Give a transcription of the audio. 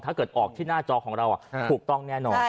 ถ้าเกิดออกที่หน้าจอของเราถูกต้องแน่นอน